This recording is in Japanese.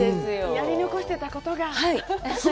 やり残してたことが。